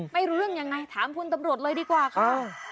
ไม่รู้เรื่องยังไงถามคุณตำรวจเลยดีกว่าค่ะ